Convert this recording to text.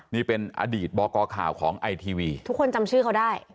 นี่เป็นอดีตบกข่าวของไอทีวีทุกคนจำชื่อเขาได้